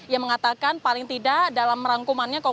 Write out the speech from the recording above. yang mengatakan paling tidak dalam rangkumannya